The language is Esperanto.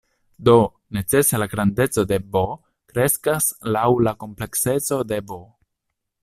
Do, necese la grandeco de "B" kreskas laŭ la komplekseco de "V".